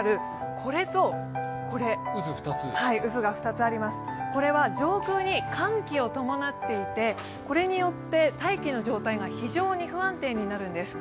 これは上空に寒気を伴っていてこれによって大気の状態が非常に不安定になるんです。